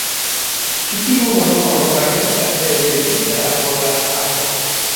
Ĉi tiu honoro restas rezervita por la harpo.